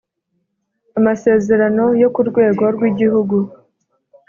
amasezerano yo ku rwego rw igihugu